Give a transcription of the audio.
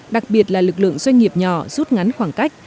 đặc biệt là lực lượng doanh nghiệp nhỏ rút ngắn khoảng cách